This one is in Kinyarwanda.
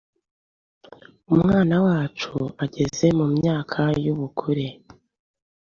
umwana wacu ageze mumyaka yubukure